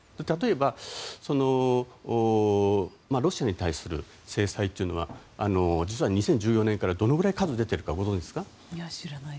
例えば、ロシアに対する制裁というのは実は２０１４年からどのくらいの数が出ているか。